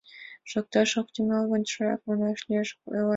Шокташ ок тӱҥал гын, шояк манаш лиеш, — ойла весе.